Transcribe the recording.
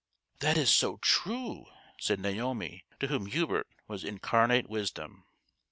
" That is so true !" said Naomi, to whom Hubert was incarnate wisdom.